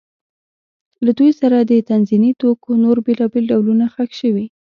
له دوی سره د تزیني توکو نور بېلابېل ډولونه ښخ شوي